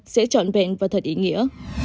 sẽ trọn vẹn và thật ý nghĩa